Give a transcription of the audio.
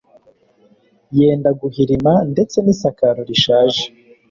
yenda guhirima ndetse n'isakaro rishaje